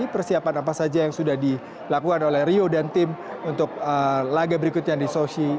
persiapan apa saja yang sudah dilakukan oleh rio dan tim untuk laga berikutnya di soshi